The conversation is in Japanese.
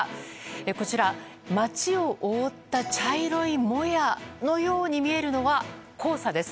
こちら、街を覆った茶色いもやのように見えるのは黄砂です。